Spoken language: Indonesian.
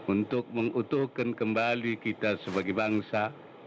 untuk mengutuhkan kembali kita sebagai bangsa